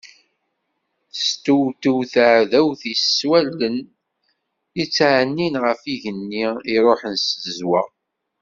Testewtiw ddaɛwat-is s wallen yettɛennin ɣer yigenni iruḥen s tezweɣ.